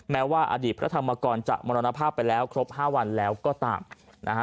แม้ว่าอดีตพระธรรมกรจะมรณภาพไปแล้วครบ๕วันแล้วก็ตามนะฮะ